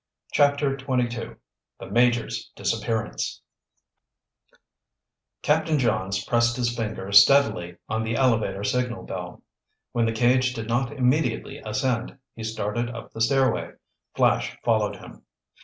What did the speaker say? CHAPTER XXII THE MAJOR'S DISAPPEARANCE Captain Johns pressed his finger steadily on the elevator signal bell. When the cage did not immediately ascend, he started up the stairway. Flash followed him.